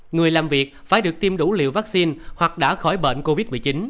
người làm việc phải được tiêm đủ liều vaccine hoặc đã khỏi bệnh covid một mươi chín